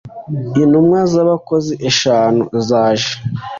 intumwa z abakozi eshanu zaje